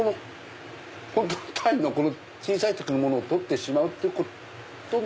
鯛が小さい時のものを取ってしまうってことの？